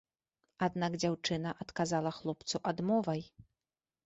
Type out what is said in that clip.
Аднак дзяўчына адказала хлопцу адмовай.